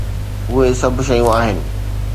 اهي سڀ شيون آهن.